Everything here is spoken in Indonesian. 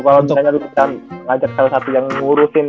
kalau misalnya ngajak salah satu yang ngurusin